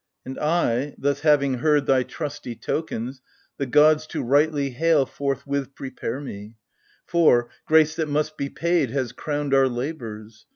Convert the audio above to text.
And I, thus having heard thy trusty tokens, The gods to rightly hail forthwith prepare me ; For, grace that must be paid has crowned our labours.